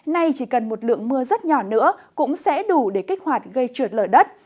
nay chỉ cần một lượng mưa rất nhỏ nữa cũng sẽ đủ để kích hoạt gây trượt lở đất